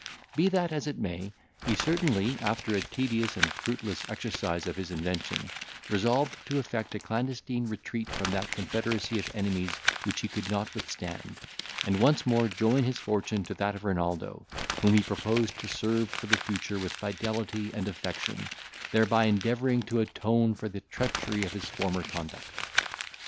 Be that as it may, he certainly, after a tedious and fruitless exercise of his invention, resolved to effect a clandestine retreat from that confederacy of enemies which he could not withstand, and once more join his fortune to that of Renaldo, whom he proposed to serve, for the future, with fidelity and affection, thereby endeavouring to atone for the treachery of his former conduct.